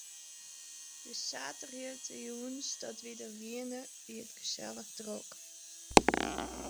De saterdeitejûns dat wy der wiene, wie it gesellich drok.